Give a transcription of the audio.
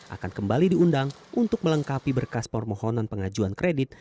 akan kembali diundang untuk melengkapi berkas permohonan pengajuan kredit